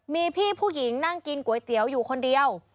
มีพี่ผู้หญิงนั่งกินก๋วยเตี๋ยวอยู่คนเดียว